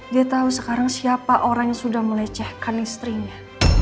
dia tahu sekarang siapa orang yang sudah melecehkan istrinya